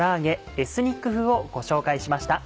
エスニック風」をご紹介しました。